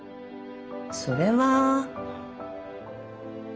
それは。